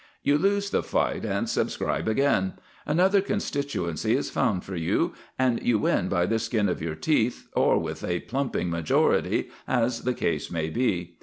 You lose the fight and subscribe again; another constituency is found for you, and you win by the skin of your teeth or with a plumping majority, as the case may be.